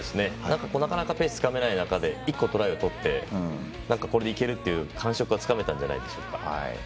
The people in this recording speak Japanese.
なかなかペースつかめない中で１個トライとってこれでいける！っていう感触はつかめたんじゃないでしょうか。